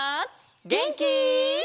げんき？